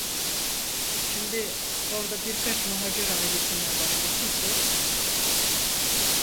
Şimdi orda birkaç muhacir ailesinden başka kimse yok.